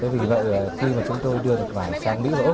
vì vậy khi chúng tôi đưa quả vải sang mỹ và úc